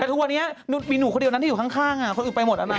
แต่ทุกวันนี้มีหนูคนเดียวนั้นที่อยู่ข้างคนอื่นไปหมดแล้วนะ